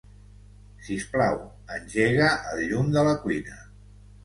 Sisplau, engega el llum de la cuina.